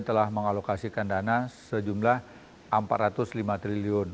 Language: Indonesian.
telah mengalokasikan dana sejumlah rp empat ratus lima triliun